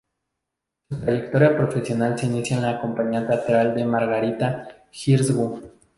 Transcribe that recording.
Su trayectoria profesional se inicia en la compañía teatral de Margarita Xirgu.